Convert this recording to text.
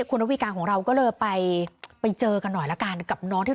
คุณระวีการของเราก็เลยไปไปเจอกันหน่อยละกันกับน้องที่